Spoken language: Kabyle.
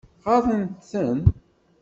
Ɣaḍent-ten?